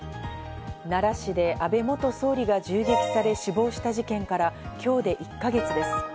奈良市で安倍元総理が銃撃され死亡した事件から今日で１か月です。